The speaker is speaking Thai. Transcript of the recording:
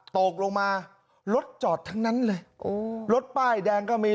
ตกลงมารถจอดทั้งนั้นเลยโอ้รถป้ายแดงก็มี